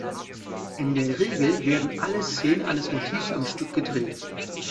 In der Regel werden alle Szenen eines Motivs am Stück gedreht.